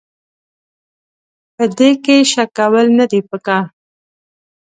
په دې کې شک کول نه دي پکار.